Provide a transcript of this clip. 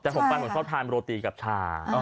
แต่ผมคิดว่าผมชอบทานโรตีกับชา